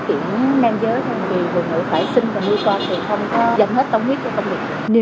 thì người nữ phải sinh và nuôi con rồi không có dành hết tổng huyết cho công việc